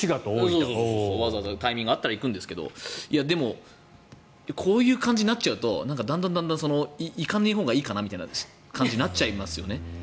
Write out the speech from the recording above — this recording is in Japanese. タイミングがあったら行くんですがでも、こういう感じになっちゃうとだんだん行かないほうがいいかなみたいな感じになっちゃいますよね。